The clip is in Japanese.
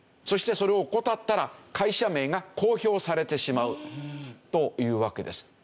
そしてそれを怠ったら会社名が公表されてしまうというわけです。